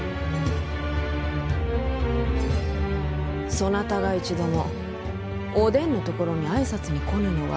そなたが一度もお伝のところに挨拶に来ぬのは？